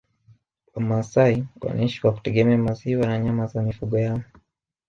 Wamasai wanaishi kwa kutegemea maziwa na nyama ya mifugo yao